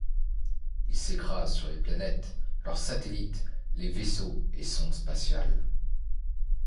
Il s'écrasent sur les planètes, leurs satellites, les vaisseaux et sondes spatiales.